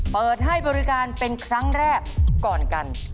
เปิดให้บริการเป็นครั้งแรกก่อนกัน